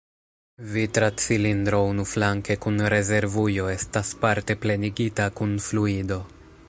Vitra cilindro unuflanke kun rezervujo estas parte plenigita kun fluido.